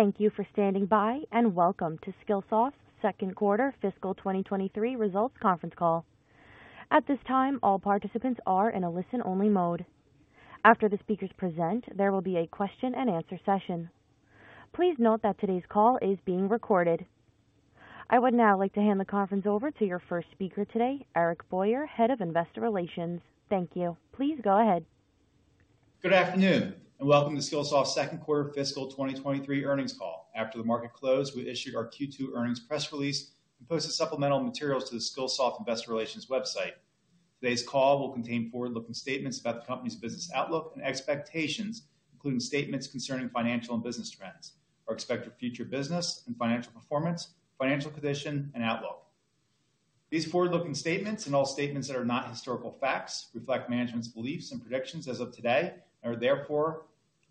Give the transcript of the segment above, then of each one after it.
Thank you for standing by and welcome to Skillsoft's Q2 fiscal 2023 results conference call. At this time, all participants are in a listen-only mode. After the speakers present, there will be a question-and-answer session. Please note that today's call is being recorded. I would now like to hand the conference over to your first speaker today, Eric Boyer, Head of Investor Relations. Thank you. Please go ahead. Good afternoon and welcome to Skillsoft's Q2 fiscal 2023 earnings call. After the market closed, we issued our Q2 earnings press release and posted supplemental materials to the Skillsoft Investor Relations website. Today's call will contain forward-looking statements about the company's business outlook and expectations, including statements concerning financial and business trends, our expected future business and financial performance, financial position, and outlook. These forward-looking statements, and all statements that are not historical facts, reflect management's beliefs and predictions as of today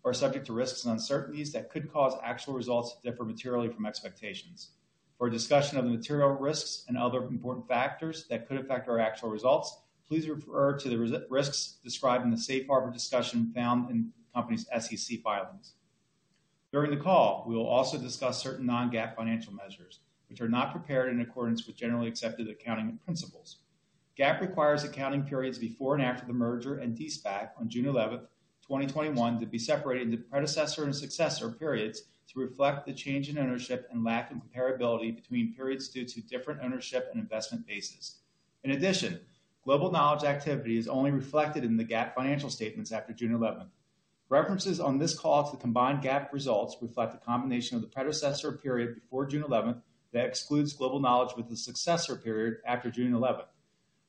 and are therefore subject to risks and uncertainties that could cause actual results to differ materially from expectations. For a discussion of the material risks and other important factors that could affect our actual results, please refer to the risks described in the safe harbor discussion found in the company's SEC filings. During the call, we will also discuss certain non-GAAP financial measures, which are not prepared in accordance with generally accepted accounting principles. GAAP requires accounting periods before and after the merger and de-SPAC on June 11, 2021, to be separated into predecessor and successor periods to reflect the change in ownership and lack of comparability between periods due to different ownership and investment bases. In addition, Global Knowledge activity is only reflected in the GAAP financial statements after June 11. References on this call to the combined GAAP results reflect the combination of the predecessor period before June 11 that excludes Global Knowledge with the successor period after June 11.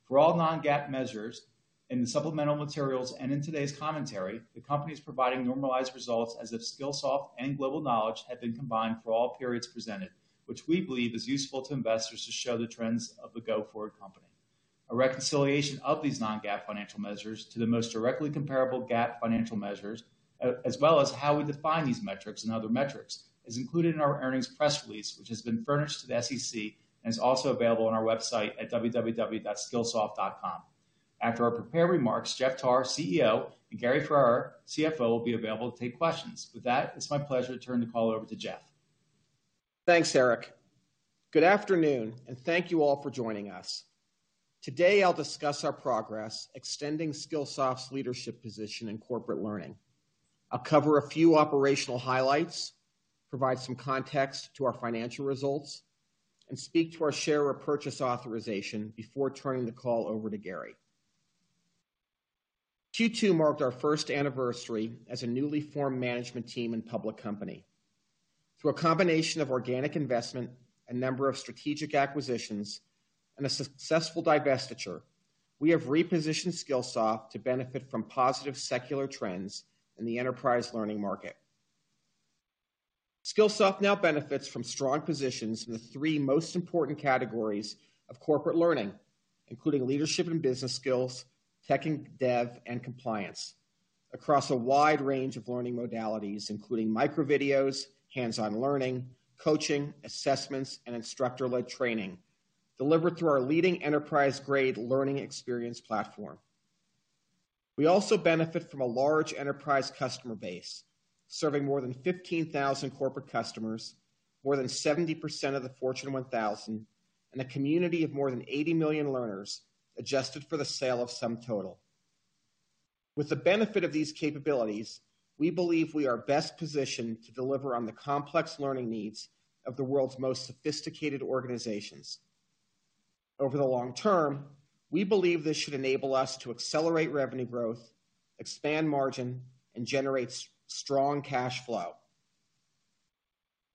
For all non-GAAP measures in the supplemental materials and in today's commentary, the company is providing normalized results as if Skillsoft and Global Knowledge had been combined for all periods presented, which we believe is useful to investors to show the trends of the go-forward company. A reconciliation of these non-GAAP financial measures to the most directly comparable GAAP financial measures, as well as how we define these metrics and other metrics, is included in our earnings press release, which has been furnished to the SEC and is also available on our website at www.skillsoft.com. After our prepared remarks, Jeff Tarr, CEO, and Gary Ferrera, CFO, will be available to take questions. With that, it's my pleasure to turn the call over to Jeff. Thanks, Eric. Good afternoon, and thank you all for joining us. Today, I'll discuss our progress extending Skillsoft's leadership position in corporate learning. I'll cover a few operational highlights, provide some context to our financial results, and speak to our share repurchase authorization before turning the call over to Gary. Q2 marked our first anniversary as a newly formed management team and public company. Through a combination of organic investment, a number of strategic acquisitions, and a successful divestiture, we have repositioned Skillsoft to benefit from positive secular trends in the enterprise learning market. Skillsoft now benefits from strong positions in the three most important categories of corporate learning, including leadership and business skills, tech and dev, and compliance across a wide range of learning modalities, including micro videos, hands-on learning, coaching, assessments, and instructor-led training delivered through our leading enterprise-grade learning experience platform. We also benefit from a large enterprise customer base, serving more than 15,000 corporate customers, more than 70% of the Fortune 1000, and a community of more than 80 million learners adjusted for the sale of SumTotal. With the benefit of these capabilities, we believe we are best positioned to deliver on the complex learning needs of the world's most sophisticated organizations. Over the long term, we believe this should enable us to accelerate revenue growth, expand margin, and generate strong cash flow.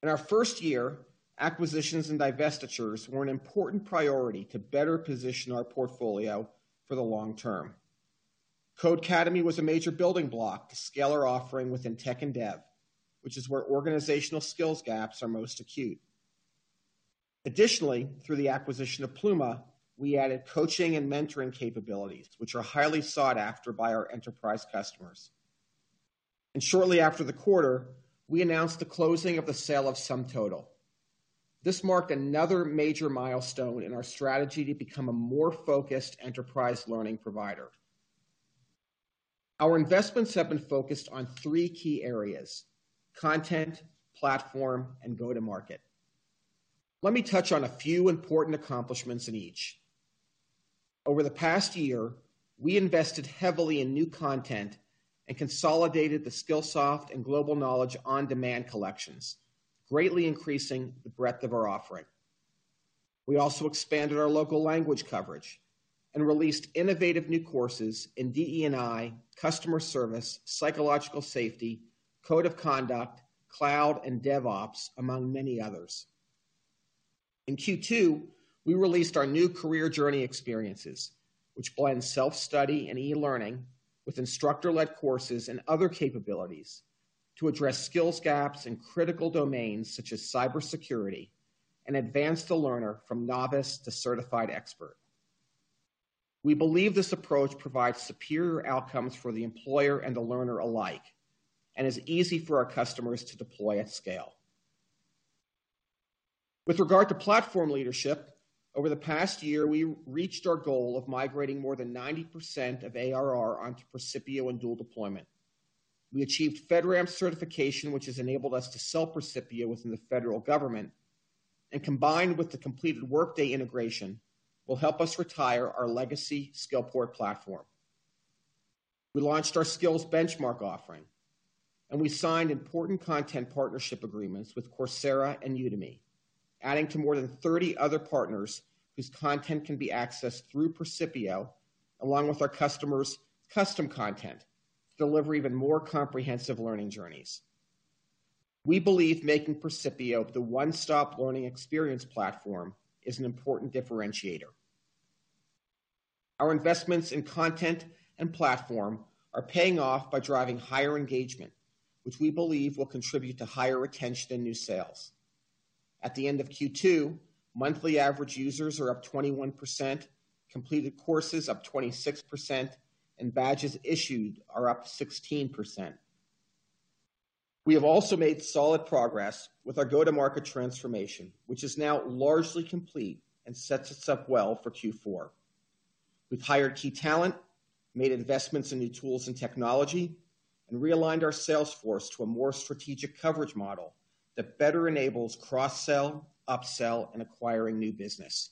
In our first year, acquisitions and divestitures were an important priority to better position our portfolio for the long term. Codecademy was a major building block to scale our offering within tech and dev, which is where organizational skills gaps are most acute. Additionally, through the acquisition of Pluma, we added coaching and mentoring capabilities, which are highly sought after by our enterprise customers. Shortly after the quarter, we announced the closing of the sale of SumTotal. This marked another major milestone in our strategy to become a more focused enterprise learning provider. Our investments have been focused on 3 key areas: content, platform, and go-to-market. Let me touch on a few important accomplishments in each. Over the past year, we invested heavily in new content and consolidated the Skillsoft and Global Knowledge on-demand collections, greatly increasing the breadth of our offering. We also expanded our local language coverage and released innovative new courses in DE&I, customer service, psychological safety, code of conduct, cloud, and DevOps, among many others. In Q2, we released our new career journey experiences, which blend self-study and e-learning with instructor-led courses and other capabilities to address skills gaps in critical domains such as cybersecurity and advance the learner from novice to certified expert. We believe this approach provides superior outcomes for the employer and the learner alike and is easy for our customers to deploy at scale. With regard to platform leadership, over the past year, we reached our goal of migrating more than 90% of ARR onto Percipio and dual deployment. We achieved FedRAMP certification, which has enabled us to sell Percipio within the federal government, and combined with the completed Workday integration, will help us retire our legacy Skillport platform. We launched our Skill Benchmark offering, and we signed important content partnership agreements with Coursera and Udemy, adding to more than 30 other partners whose content can be accessed through Percipio, along with our customers' custom content to deliver even more comprehensive learning journeys. We believe making Percipio the one-stop learning experience platform is an important differentiator. Our investments in content and platform are paying off by driving higher engagement, which we believe will contribute to higher retention and new sales. At the end of Q2, monthly average users are up 21%, completed courses up 26%, and badges issued are up 16%. We have also made solid progress with our go-to-market transformation, which is now largely complete and sets us up well for Q4. We've hired key talent, made investments in new tools and technology, and realigned our sales force to a more strategic coverage model that better enables cross-sell, upsell, and acquiring new business.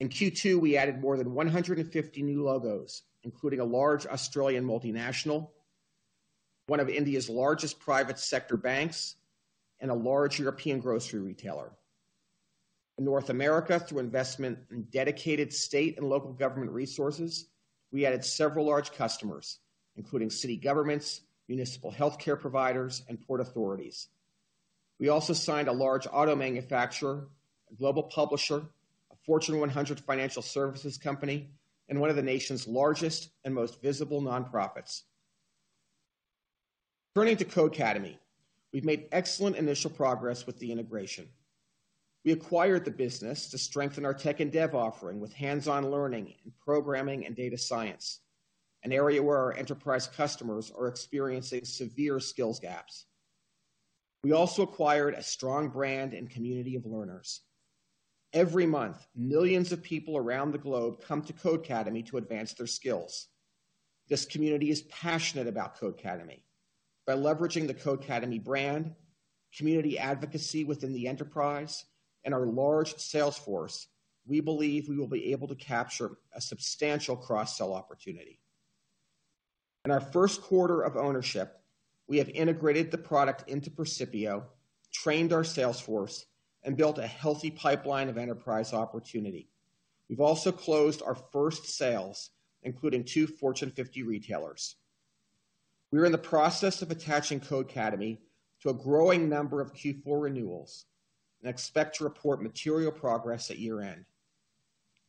In Q2, we added more than 150 new logos, including a large Australian multinational, one of India's largest private sector banks, and a large European grocery retailer. In North America, through investment in dedicated state and local government resources, we added several large customers, including city governments, municipal healthcare providers, and port authorities. We also signed a large auto manufacturer, a global publisher, a Fortune 100 financial services company, and one of the nation's largest and most visible nonprofits. Turning to Codecademy, we've made excellent initial progress with the integration. We acquired the business to strengthen our tech and dev offering with hands-on learning in programming and data science, an area where our enterprise customers are experiencing severe skills gaps. We also acquired a strong brand and community of learners. Every month, millions of people around the globe come to Codecademy to advance their skills. This community is passionate about Codecademy. By leveraging the Codecademy brand, community advocacy within the enterprise, and our large sales force, we believe we will be able to capture a substantial cross-sell opportunity. In our Q1 of ownership, we have integrated the product into Percipio, trained our sales force, and built a healthy pipeline of enterprise opportunity. We've also closed our first sales, including 2 Fortune 50 retailers. We are in the process of attaching Codecademy to a growing number of Q4 renewals and expect to report material progress at year-end.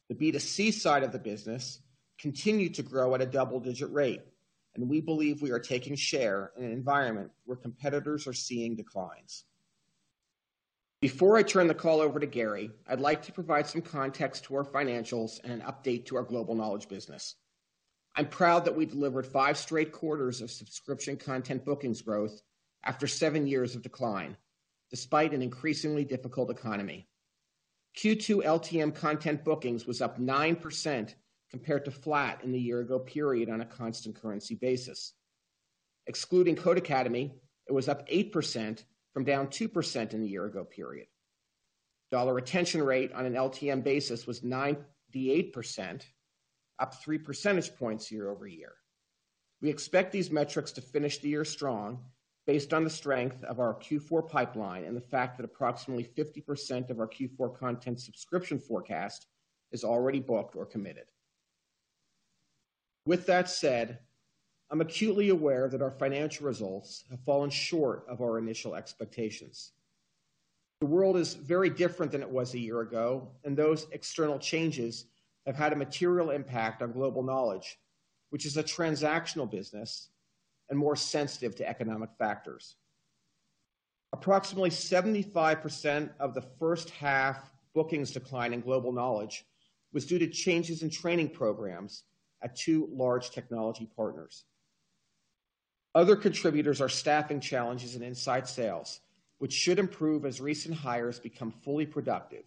The B2C side of the business continued to grow at a double-digit rate, and we believe we are taking share in an environment where competitors are seeing declines. Before I turn the call over to Gary, I'd like to provide some context to our financials and an update to our Global Knowledge business. I'm proud that we delivered 5 straight quarters of subscription content bookings growth after 7 years of decline, despite an increasingly difficult economy. Q2 LTM content bookings was up 9% compared to flat in the year-ago period on a constant currency basis. Excluding Codecademy, it was up 8% from down 2% in the year-ago period. Dollar retention rate on an LTM basis was 98%, up 3 percentage points year over year. We expect these metrics to finish the year strong based on the strength of our Q4 pipeline and the fact that approximately 50% of our Q4 content subscription forecast is already booked or committed. With that said, I'm acutely aware that our financial results have fallen short of our initial expectations. The world is very different than it was a year ago, and those external changes have had a material impact on Global Knowledge, which is a transactional business and more sensitive to economic factors. Approximately 75% of the first half bookings decline in Global Knowledge was due to changes in training programs at two large technology partners. Other contributors are staffing challenges and inside sales, which should improve as recent hires become fully productive,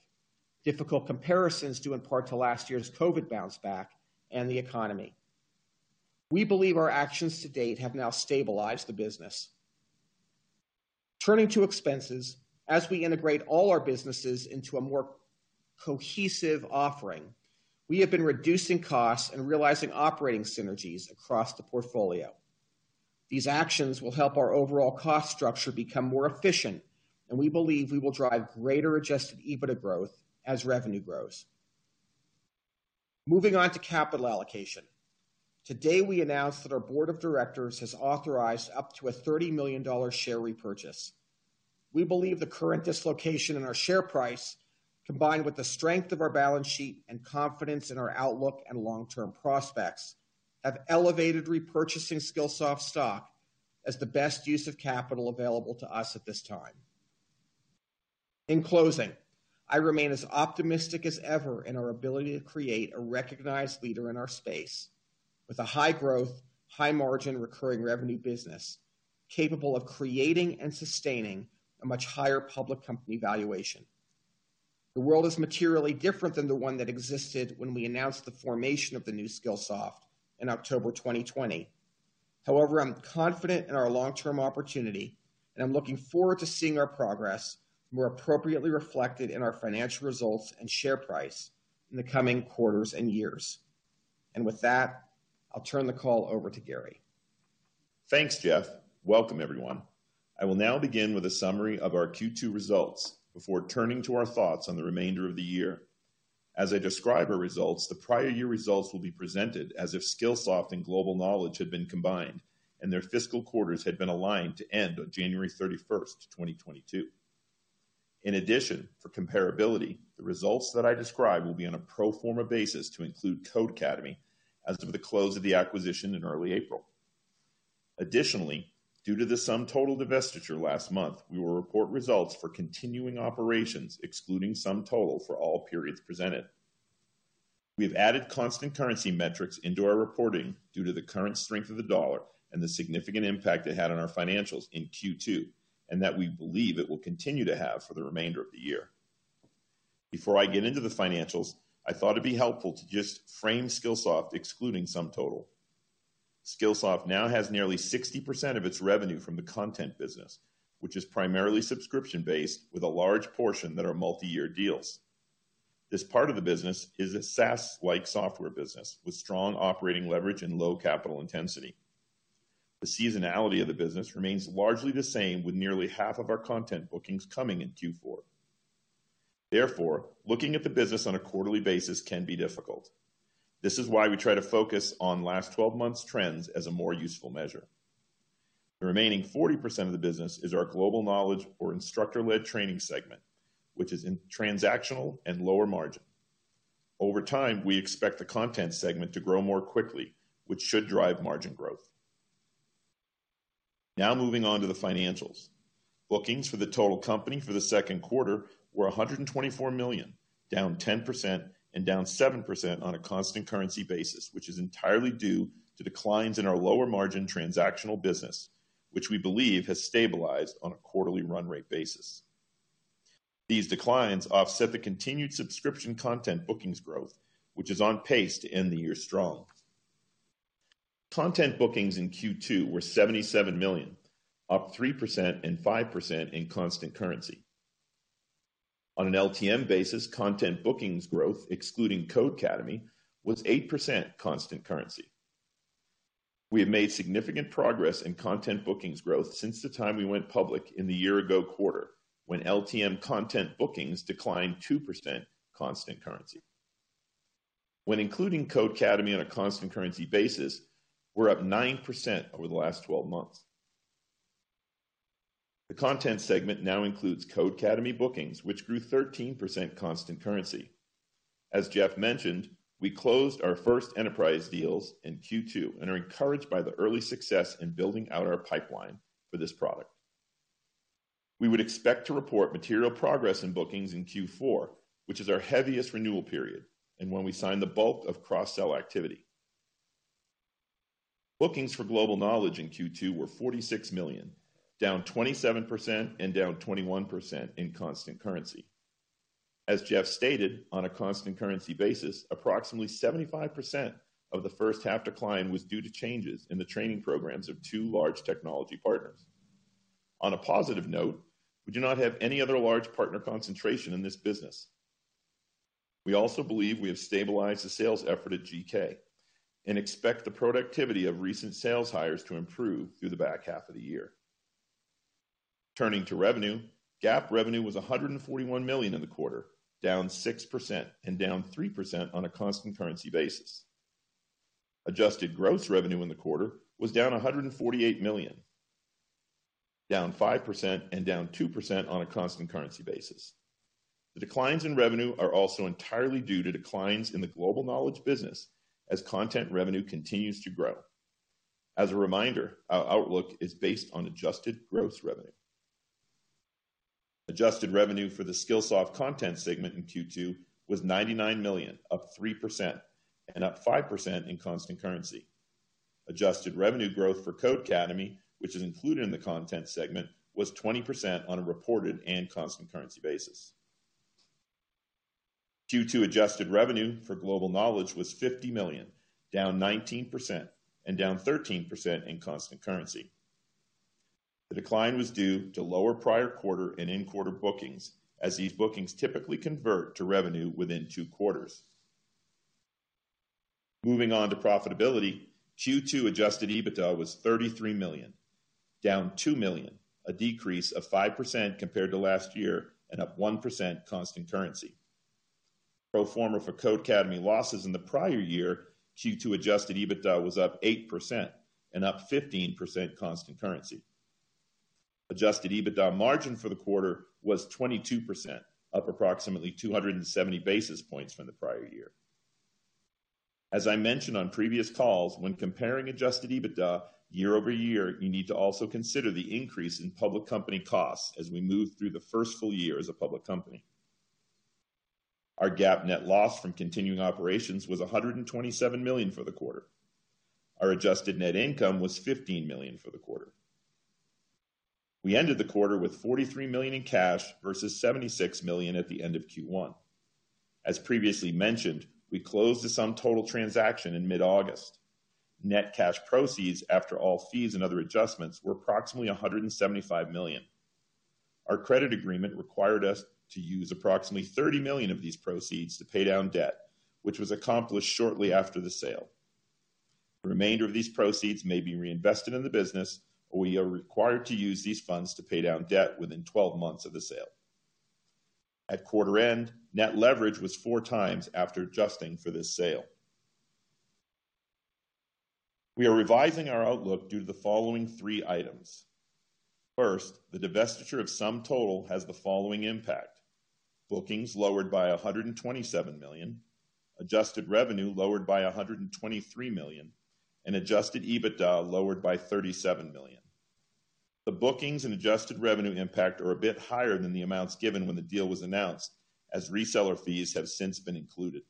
difficult comparisons due in part to last year's COVID bounce back and the economy. We believe our actions to date have now stabilized the business. Turning to expenses, as we integrate all our businesses into a more cohesive offering, we have been reducing costs and realizing operating synergies across the portfolio. These actions will help our overall cost structure become more efficient, and we believe we will drive greater adjusted EBITDA growth as revenue grows. Moving on to capital allocation. Today, we announced that our board of directors has authorized up to a $30 million share repurchase. We believe the current dislocation in our share price, combined with the strength of our balance sheet and confidence in our outlook and long-term prospects, have elevated repurchasing Skillsoft stock as the best use of capital available to us at this time. In closing, I remain as optimistic as ever in our ability to create a recognized leader in our space. With a high growth, high margin recurring revenue business, capable of creating and sustaining a much higher public company valuation. The world is materially different than the one that existed when we announced the formation of the new Skillsoft in October 2020. However, I'm confident in our long-term opportunity, and I'm looking forward to seeing our progress more appropriately reflected in our financial results and share price in the coming quarters and years. With that, I'll turn the call over to Gary. Thanks, Jeff. Welcome, everyone. I will now begin with a summary of our Q2 results before turning to our thoughts on the remainder of the year. As I describe our results, the prior year results will be presented as if Skillsoft and Global Knowledge had been combined, and their fiscal quarters had been aligned to end on January 31, 2022. In addition, for comparability, the results that I describe will be on a pro forma basis to include Codecademy as of the close of the acquisition in early April. Additionally, due to the SumTotal divestiture last month, we will report results for continuing operations, excluding SumTotal for all periods presented. We have added constant currency metrics into our reporting due to the current strength of the dollar and the significant impact it had on our financials in Q2, and that we believe it will continue to have for the remainder of the year. Before I get into the financials, I thought it'd be helpful to just frame Skillsoft excluding SumTotal. Skillsoft now has nearly 60% of its revenue from the content business, which is primarily subscription-based with a large portion that are multi-year deals. This part of the business is a SaaS-like software business with strong operating leverage and low capital intensity. The seasonality of the business remains largely the same, with nearly half of our content bookings coming in Q4. Therefore, looking at the business on a quarterly basis can be difficult. This is why we try to focus on last 12 months trends as a more useful measure. The remaining 40% of the business is our Global Knowledge or instructor-led training segment, which is in transactional and lower margin. Over time, we expect the content segment to grow more quickly, which should drive margin growth. Now moving on to the financials. Bookings for the total company for the Q2 were $124 million, down 10% and down 7% on a constant currency basis, which is entirely due to declines in our lower margin transactional business, which we believe has stabilized on a quarterly run rate basis. These declines offset the continued subscription content bookings growth, which is on pace to end the year strong. Content bookings in Q2 were $77 million, up 3% and 5% in constant currency. On an LTM basis, content bookings growth, excluding Codecademy, was 8% constant currency. We have made significant progress in content bookings growth since the time we went public in the year ago quarter, when LTM content bookings declined 2% constant currency. When including Codecademy on a constant currency basis, we're up 9% over the last 12 months. The content segment now includes Codecademy bookings, which grew 13% constant currency. As Jeff mentioned, we closed our first enterprise deals in Q2 and are encouraged by the early success in building out our pipeline for this product. We would expect to report material progress in bookings in Q4, which is our heaviest renewal period and when we sign the bulk of cross-sell activity. Bookings for Global Knowledge in Q2 were $46 million, down 27% and down 21% in constant currency. As Jeff stated, on a constant currency basis, approximately 75% of the first half decline was due to changes in the training programs of two large technology partners. On a positive note, we do not have any other large partner concentration in this business. We also believe we have stabilized the sales effort at GK and expect the productivity of recent sales hires to improve through the back half of the year. Turning to revenue, GAAP revenue was $141 million in the quarter, down 6% and down 3% on a constant currency basis. Adjusted gross revenue in the quarter was down $148 million, down 5% and down 2% on a constant currency basis. The declines in revenue are also entirely due to declines in the Global Knowledge business as content revenue continues to grow. As a reminder, our outlook is based on adjusted gross revenue. Adjusted revenue for the Skillsoft content segment in Q2 was $99 million, up 3% and up 5% in constant currency. Adjusted revenue growth for Codecademy, which is included in the content segment, was 20% on a reported and constant currency basis. Q2 adjusted revenue for Global Knowledge was $50 million, down 19% and down 13% in constant currency. The decline was due to lower prior quarter and in-quarter bookings, as these bookings typically convert to revenue within two quarters. Moving on to profitability. Q2 adjusted EBITDA was $33 million, down $2 million, a decrease of 5% compared to last year and up 1% constant currency. Pro forma for Codecademy losses in the prior year, Q2 adjusted EBITDA was up 8% and up 15% constant currency. Adjusted EBITDA margin for the quarter was 22%, up approximately 270 basis points from the prior year. As I mentioned on previous calls, when comparing adjusted EBITDA year over year, you need to also consider the increase in public company costs as we move through the first full year as a public company. Our GAAP net loss from continuing operations was $127 million for the quarter. Our adjusted net income was $15 million for the quarter. We ended the quarter with $43 million in cash versus $76 million at the end of Q1. As previously mentioned, we closed the SumTotal transaction in mid-August. Net cash proceeds after all fees and other adjustments were approximately $175 million. Our credit agreement required us to use approximately $30 million of these proceeds to pay down debt, which was accomplished shortly after the sale. The remainder of these proceeds may be reinvested in the business, or we are required to use these funds to pay down debt within 12 months of the sale. At quarter end, net leverage was 4x after adjusting for this sale. We are revising our outlook due to the following three items. First, the divestiture of SumTotal has the following impact. Bookings lowered by $127 million, adjusted revenue lowered by $123 million, and adjusted EBITDA lowered by $37 million. The bookings and adjusted revenue impact are a bit higher than the amounts given when the deal was announced, as reseller fees have since been included.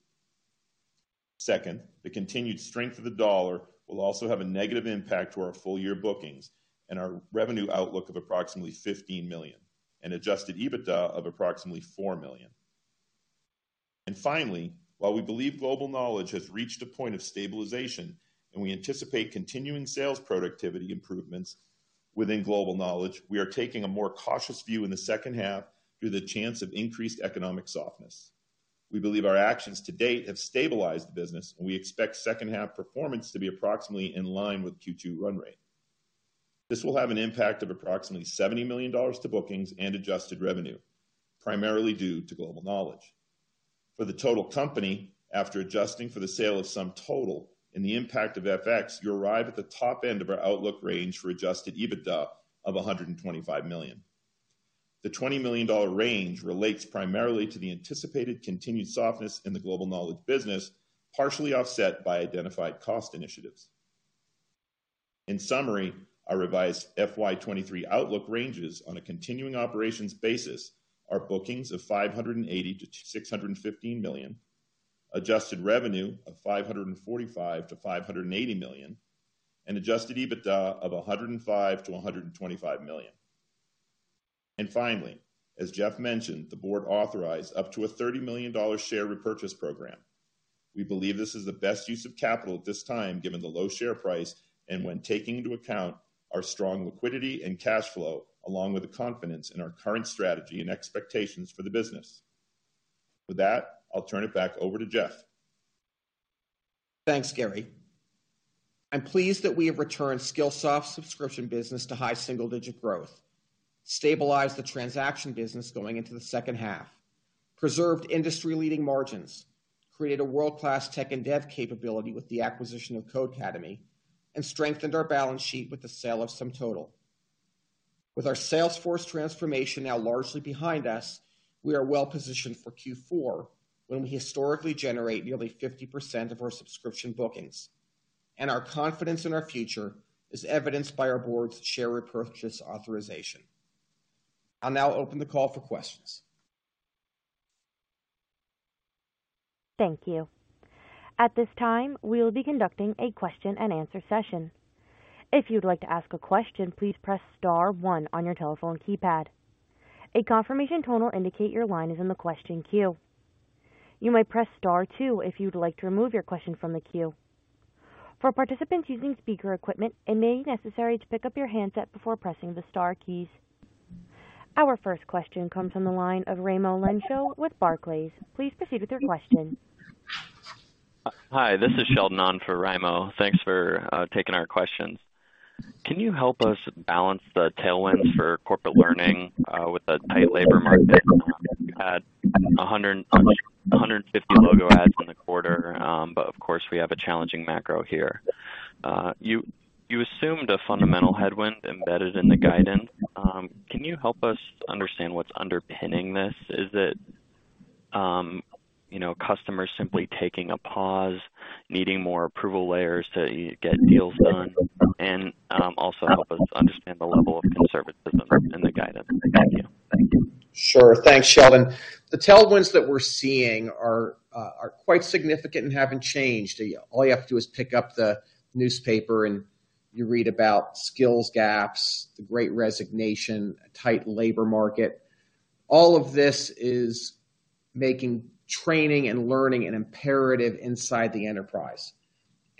Second, the continued strength of the US dollar will also have a negative impact to our full year bookings and our revenue outlook of approximately $15 million and adjusted EBITDA of approximately $4 million. Finally, while we believe Global Knowledge has reached a point of stabilization and we anticipate continuing sales productivity improvements within Global Knowledge, we are taking a more cautious view in the second half due to the chance of increased economic softness. We believe our actions to date have stabilized the business, and we expect second half performance to be approximately in line with Q2 run rate. This will have an impact of approximately $70 million to bookings and adjusted revenue, primarily due to Global Knowledge. For the total company, after adjusting for the sale of SumTotal and the impact of FX, you arrive at the top end of our outlook range for adjusted EBITDA of $125 million. The $20 million range relates primarily to the anticipated continued softness in the Global Knowledge business, partially offset by identified cost initiatives. In summary, our revised FY '23 outlook ranges on a continuing operations basis are bookings of $580 to 615 million, adjusted revenue of $545 to 580 million, and adjusted EBITDA of $105 to 125 million. Finally, as Jeff mentioned, the board authorized up to a $30 million share repurchase program. We believe this is the best use of capital at this time, given the low share price and when taking into account our strong liquidity and cash flow, along with the confidence in our current strategy and expectations for the business. With that, I'll turn it back over to Jeff. Thanks, Gary. I'm pleased that we have returned Skillsoft subscription business to high single-digit growth, stabilized the transaction business going into the second half, preserved industry-leading margins, created a world-class tech and dev capability with the acquisition of Codecademy, and strengthened our balance sheet with the sale of SumTotal. With our sales force transformation now largely behind us, we are well positioned for Q4, when we historically generate nearly 50% of our subscription bookings, and our confidence in our future is evidenced by our board's share repurchase authorization. I'll now open the call for questions. Thank you. At this time, we will be conducting a question and answer session. If you'd like to ask a question, please press star one on your telephone keypad. A confirmation tone will indicate your line is in the question queue. You may press star two if you'd like to remove your question from the queue. For participants using speaker equipment, it may be necessary to pick up your handset before pressing the star keys. Our first question comes from the line of Raimo Lenschow with Barclays. Please proceed with your question. Hi, this is Sheldon on for Raimo. Thanks for taking our questions. Can you help us balance the tailwinds for corporate learning with the tight labor market? You had 150 logo adds in the quarter, but of course we have a challenging macro here. You assumed a fundamental headwind embedded in the guidance. Can you help us understand what's underpinning this? Is it you know customers simply taking a pause, needing more approval layers to get deals done? Also help us understand the level of conservatism in the guidance. Thank you. Sure. Thanks Sheldon. The tailwinds that we're seeing are quite significant and haven't changed. All you have to do is pick up the newspaper and you read about skills gaps, the great resignation, tight labor market. All of this is making training and learning an imperative inside the enterprise.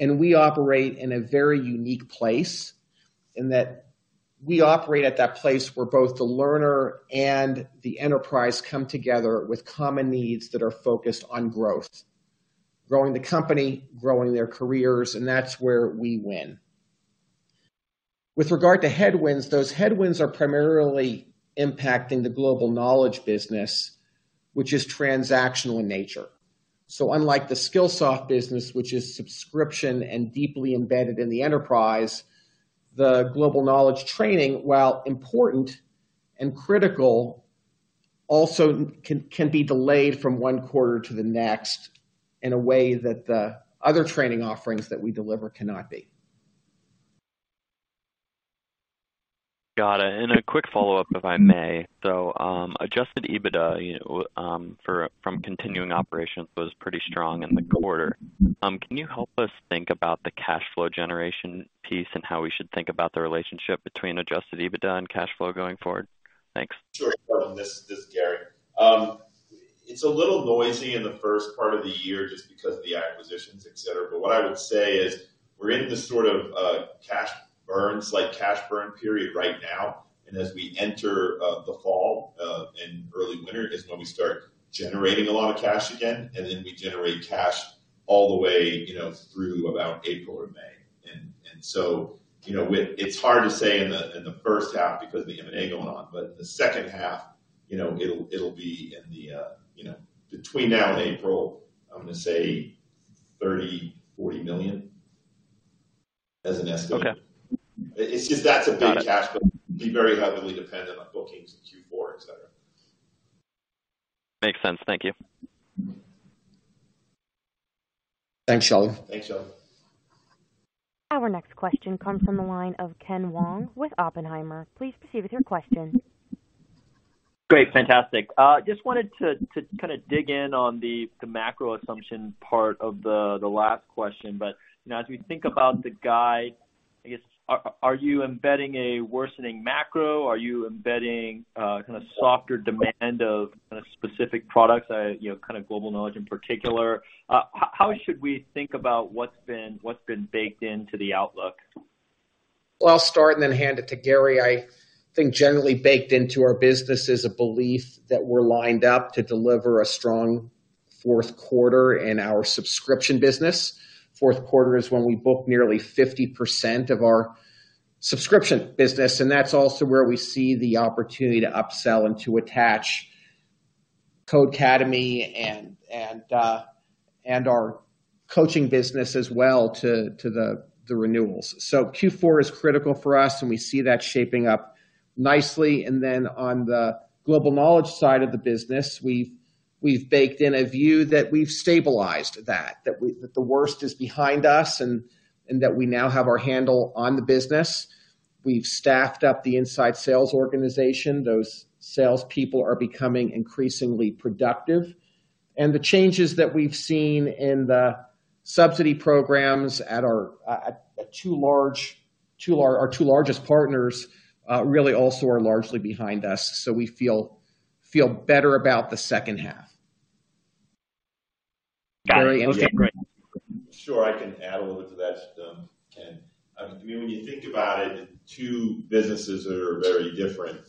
We operate in a very unique place in that we operate at that place where both the learner and the enterprise come together with common needs that are focused on growth, growing the company, growing their careers, and that's where we win. With regard to headwinds, those headwinds are primarily impacting the Global Knowledge business, which is transactional in nature. Unlike the Skillsoft business, which is subscription and deeply embedded in the enterprise, the Global Knowledge training, while important and critical, also can be delayed from one quarter to the next in a way that the other training offerings that we deliver cannot be. Got it. A quick follow-up, if I may. Adjusted EBITDA, you know, from continuing operations was pretty strong in the quarter. Can you help us think about the cash flow generation piece and how we should think about the relationship between adjusted EBITDA and cash flow going forward? Thanks. Sure. This is Gary Ferrera. It's a little noisy in the first part of the year just because of the acquisitions, et cetera. What I would say is we're in this sort of cash burn, slight cash burn period right now. As we enter the fall and early winter is when we start generating a lot of cash again, and then we generate cash all the way, you know, through about April or May. It's hard to say in the first half because of the M&A going on, but in the second half, you know, it'll be between now and April. I'm gonna say $30 to 40 million as an estimate. Okay. It's just that that's a big cash flow being very heavily dependent on bookings in Q4, et cetera. Makes sense. Thank you. Thanks Raimo. Thanks. Our next question comes from the line of Ken Wong with Oppenheimer. Please proceed with your question. Great. Fantastic. Just wanted to kinda dig in on the macro assumption part of the last question. You know, as we think about the guide, I guess, are you embedding a worsening macro? Are you embedding kinda softer demand of kinda specific products, you know, kinda Global Knowledge in particular? How should we think about what's been baked into the outlook? Well, I'll start and then hand it to Gary. I think generally baked into our business is a belief that we're lined up to deliver a strong fourth quarter in our subscription business. Q4 is when we book nearly 50% of our subscription business, and that's also where we see the opportunity to upsell and to attach Codecademy and our coaching business as well to the renewals. Q4 is critical for us, and we see that shaping up nicely. On the Global Knowledge side of the business, we've baked in a view that we've stabilized that the worst is behind us and that we now have our handle on the business. We've staffed up the inside sales organization. Those salespeople are becoming increasingly productive. The changes that we've seen in the subsidy programs at our 2 largest partners really also are largely behind us, so we feel better about the second half. Got it. Okay, great. Gary, anything? Sure, I can add a little bit to that, Ken. I mean, when you think about it, 2 businesses that are very different,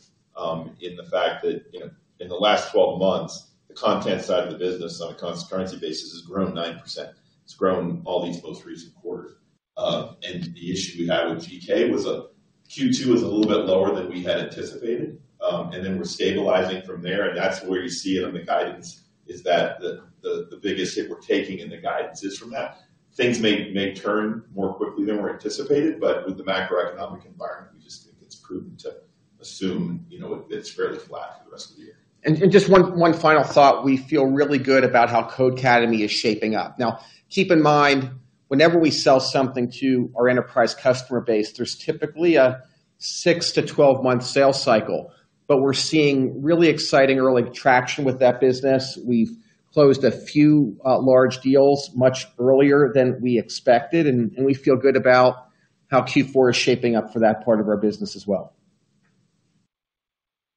in the fact that, you know, in the last 12 months, the content side of the business on a constant currency basis has grown 9%. It's grown all these most recent quarters. And the issue we had with GK was, Q2 was a little bit lower than we had anticipated. And then we're stabilizing from there, and that's where you see it on the guidance, is that the biggest hit we're taking in the guidance is from that. Things may turn more quickly than we anticipated, but with the macroeconomic environment, we just think it's prudent to assume, you know, it's fairly flat for the rest of the year. Just one final thought. We feel really good about how Codecademy is shaping up. Now, keep in mind, whenever we sell something to our enterprise customer base, there's typically a 6 to 12 month sales cycle. We're seeing really exciting early traction with that business. We've closed a few large deals much earlier than we expected, and we feel good about how Q4 is shaping up for that part of our business as well.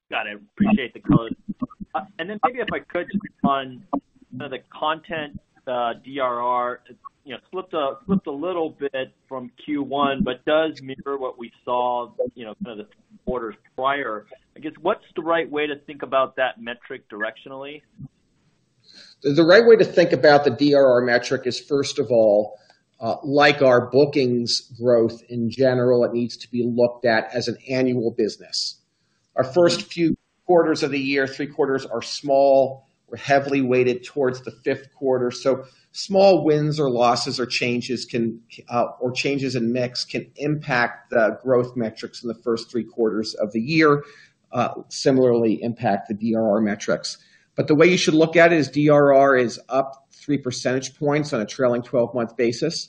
Got it. Appreciate the color. Maybe if I could just on, you know, the content, DRR, you know, slipped a little bit from Q1, but does mirror what we saw, you know, kind of the quarters prior. I guess, what's the right way to think about that metric directionally? The right way to think about the DRR metric is, first of all, like our bookings growth in general, it needs to be looked at as an annual business. Our first few quarters of the year, three quarters are small. We're heavily weighted towards the Q4. Small wins or losses or changes can, or changes in mix can impact the growth metrics in the first three quarters of the year, similarly impact the DRR metrics. The way you should look at it is DRR is up three percentage points on a trailing twelve-month basis,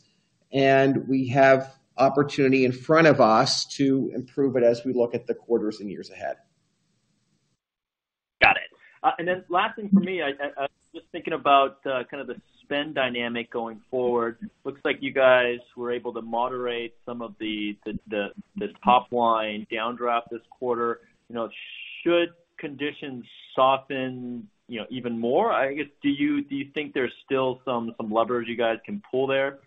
and we have opportunity in front of us to improve it as we look at the quarters and years ahead. Got it. Last thing from me, I just thinking about kind of the spend dynamic going forward. Looks like you guys were able to moderate some of the this top line downdraft this quarter. You know, should conditions soften, you know, even more? I guess, do you think there's still some levers you guys can pull there?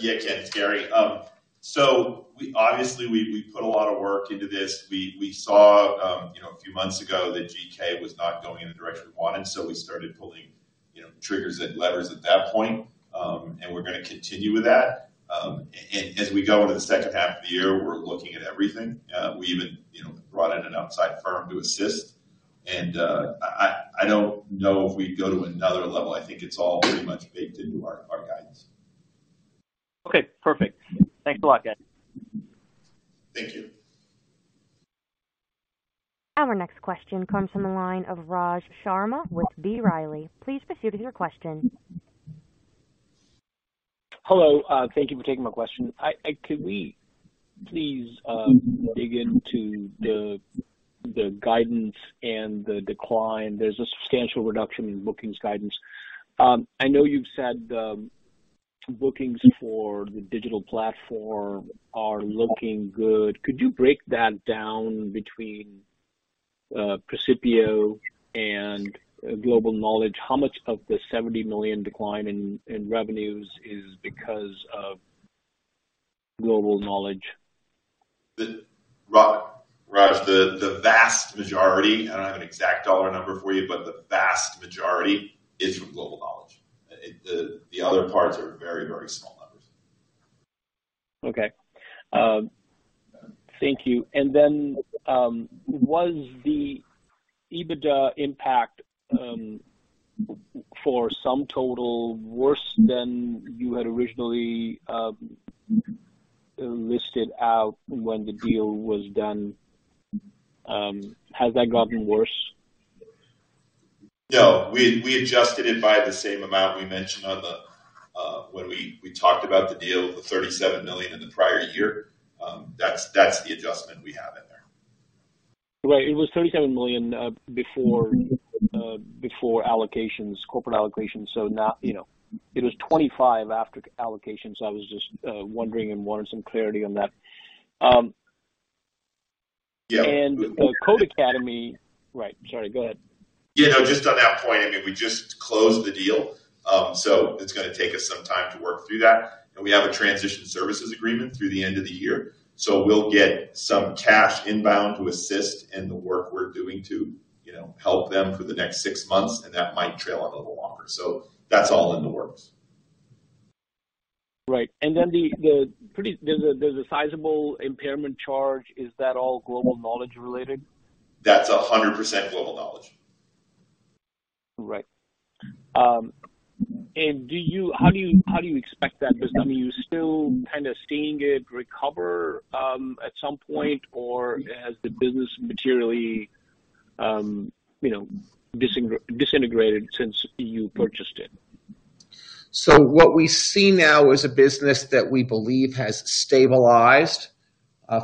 Yeah. Ken, it's Gary. So we obviously put a lot of work into this. We saw, you know, a few months ago that GK was not going in the direction we wanted, so we started pulling, you know, triggers and levers at that point. We're gonna continue with that. As we go into the second half of the year, we're looking at everything. We even, you know, brought in an outside firm to assist. I don't know if we'd go to another level. I think it's all pretty much baked into our guidance. Okay, perfect. Thanks a lot guys. Thank you. Our next question comes from the line of Raj Sharma with B. Riley. Please proceed with your question. Hello. Thank you for taking my question. Could we please dig into the guidance and the decline? There's a substantial reduction in bookings guidance. I know you've said the bookings for the digital platform are looking good. Could you break that down between Percipio and Global Knowledge? How much of the $70 million decline in revenues is because of Global Knowledge? Raj, the vast majority, I don't have an exact dollar number for you, but the vast majority is from Global Knowledge. The other parts are very, very small numbers. Okay. Thank you. Was the EBITDA impact for SumTotal worse than you had originally listed out when the deal was done? Has that gotten worse? No. We adjusted it by the same amount we mentioned when we talked about the deal, the $37 million in the prior year. That's the adjustment we have in there. Right. It was $37 million before allocations, corporate allocations. Now, you know, it was $25 million after allocations. I was just wondering and wanted some clarity on that. Yeah. Right. Sorry, go ahead. Yeah. No, just on that point, I mean, we just closed the deal, so it's gonna take us some time to work through that. We have a transition services agreement through the end of the year. We'll get some cash inbound to assist in the work we're doing to, you know, help them through the next 6 months and that might trail on a little longer. That's all in the works. Right. There's a sizable impairment charge. Is that all Global Knowledge related? That's 100% Global Knowledge. Right. How do you expect that business? I mean, are you still kinda seeing it recover at some point? Or has the business materially, you know, disintegrated since you purchased it? What we see now is a business that we believe has stabilized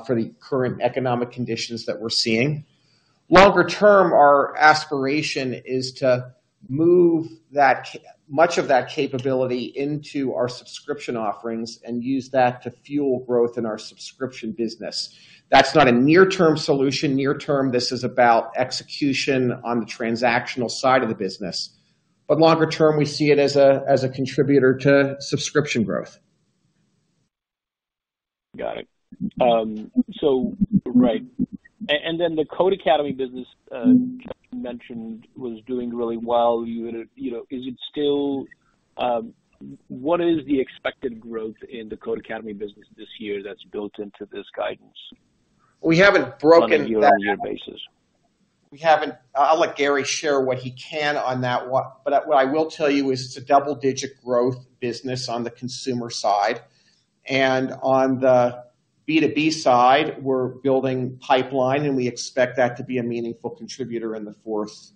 for the current economic conditions that we're seeing. Longer term, our aspiration is to move much of that capability into our subscription offerings and use that to fuel growth in our subscription business. That's not a near-term solution. Near-term, this is about execution on the transactional side of the business. Longer term, we see it as a contributor to subscription growth. Got it. Right. Then the Codecademy business Jeff mentioned was doing really well. You had it, you know. Is it still, what is the expected growth in the Codecademy business this year that's built into this guidance? We haven't broken that. On a year-over-year basis. I'll let Gary share what he can on that one. What I will tell you is it's a double-digit growth business on the consumer side. On the B2B side, we're building pipeline, and we expect that to be a meaningful contributor in the Q4.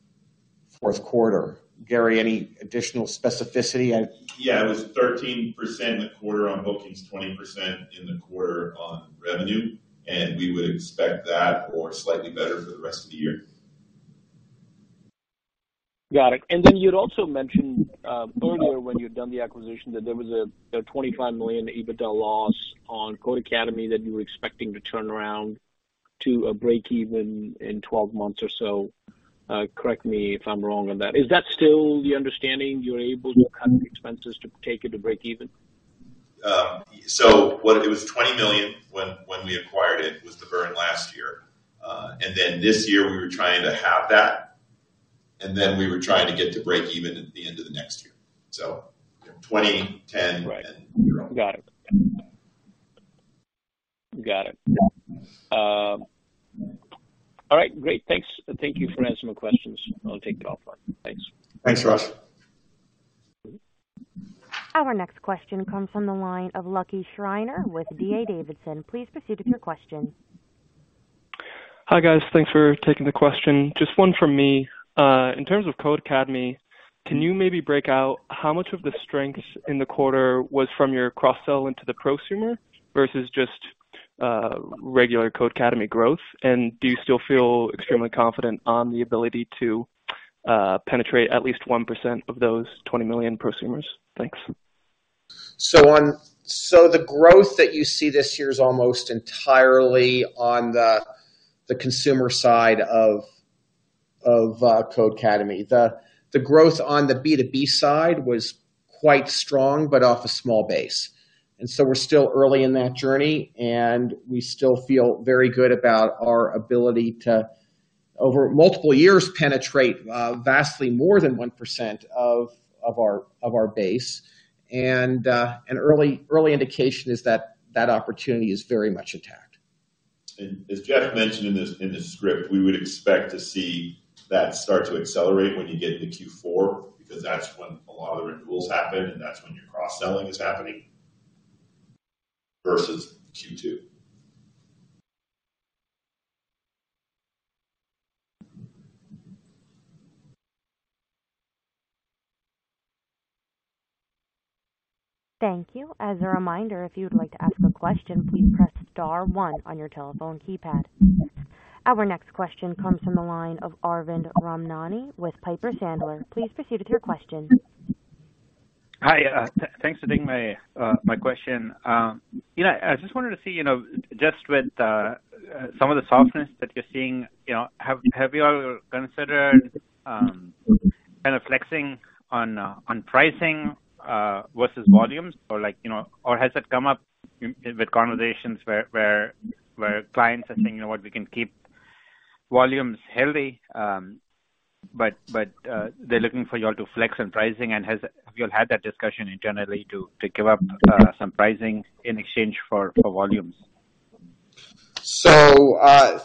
Gary, any additional specificity on- Yeah. It was 13% in the quarter on bookings, 20% in the quarter on revenue. We would expect that or slightly better for the rest of the year. Got it. You'd also mentioned earlier when you'd done the acquisition that there was a $25 million EBITDA loss on Codecademy that you were expecting to turn around to a break even in 12 months or so. Correct me if I'm wrong on that. Is that still the understanding, you're able to cut the expenses to take it to break even? What it was $20 million when we acquired it was the burn last year. This year we were trying to halve that and then we were trying to get to break even at the end of the next year. $20 million, $10 million Right. Zero. Got it. All right, great. Thanks. Thank you for answering my questions. I'll take it offline. Thanks. Thanks, Raj. Our next question comes from the line of Lucky Schreiner with D.A. Davidson. Please proceed with your question. Hi guys. Thanks for taking the question. Just 1 from me. In terms of Codecademy, can you maybe break out how much of the strength in the quarter was from your cross-sell into the prosumer versus just, regular Codecademy growth? Do you still feel extremely confident on the ability to penetrate at least 1% of those 20 million prosumers? Thanks. The growth that you see this year is almost entirely on the consumer side of Codecademy. The growth on the B2B side was quite strong, but off a small base. We're still early in that journey, and we still feel very good about our ability to, over multiple years, penetrate vastly more than 1% of our base. An early indication is that opportunity is very much intact. As Jeff mentioned in the script, we would expect to see that start to accelerate when you get into Q4, because that's when a lot of the renewals happen, and that's when your cross-selling is happening. versus Q2. Thank you. As a reminder, if you'd like to ask a question, please press star one on your telephone keypad. Our next question comes from the line of Arvind Ramnani with Piper Sandler. Please proceed with your question. Hi, thanks for taking my question. You know, I just wanted to see, you know, just with some of the softness that you're seeing, you know, have you all considered kind of flexing on pricing versus volumes or like, you know, or has that come up in conversations where clients are saying, "You know what? We can keep volumes healthy," but they're looking for you all to flex on pricing. Have you all had that discussion internally to give up some pricing in exchange for volumes?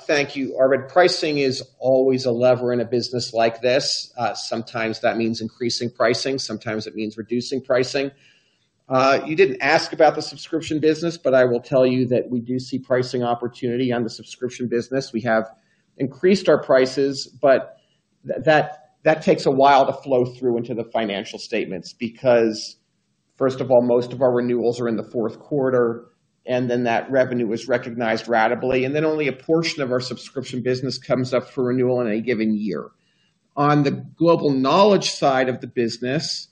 Thank you Arvind. Pricing is always a lever in a business like this. Sometimes that means increasing pricing, sometimes it means reducing pricing. You didn't ask about the subscription business, but I will tell you that we do see pricing opportunity on the subscription business. We have increased our prices, but that takes a while to flow through into the financial statements. Because first of all, most of our renewals are in the Q4, and then that revenue is recognized ratably, and then only a portion of our subscription business comes up for renewal in a given year. On the Global Knowledge side of the business,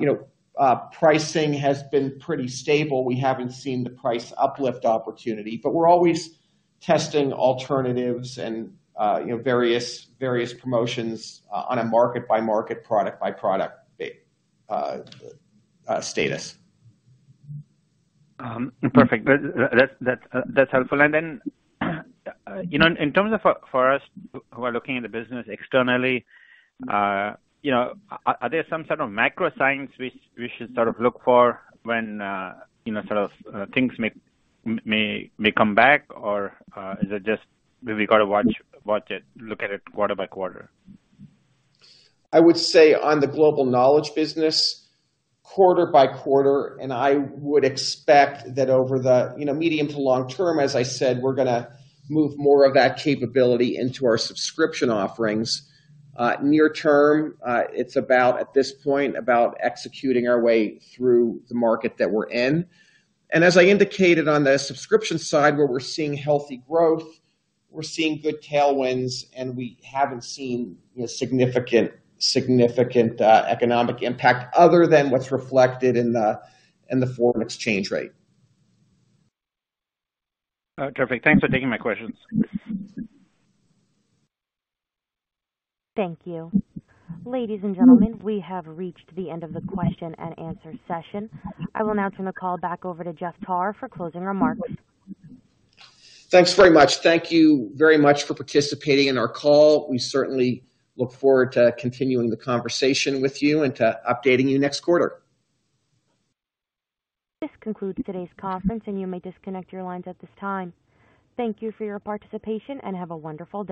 you know, pricing has been pretty stable. We haven't seen the price uplift opportunity. We're always testing alternatives and, you know, various promotions on a market-by-market, product-by-product basis. Perfect. That's helpful. You know, in terms of for us who are looking at the business externally, you know, are there some sort of macro signs we should sort of look for when, you know, sort of, things may come back or is it just we've gotta watch it, look at it quarter by quarter? I would say on the Global Knowledge business, quarter by quarter, and I would expect that over the, you know, medium to long term, as I said, we're gonna move more of that capability into our subscription offerings. Near term, it's about, at this point, about executing our way through the market that we're in. As I indicated on the subscription side, where we're seeing healthy growth, we're seeing good tailwinds, and we haven't seen, you know, significant economic impact other than what's reflected in the foreign exchange rate. Terrific. Thanks for taking my questions. Thank you. Ladies and gentlemen, we have reached the end of the question and answer session. I will now turn the call back over to Jeff Tarr for closing remarks. Thanks very much. Thank you very much for participating in our call. We certainly look forward to continuing the conversation with you and to updating you next quarter. This concludes today's conference, and you may disconnect your lines at this time. Thank you for your participation and have a wonderful day.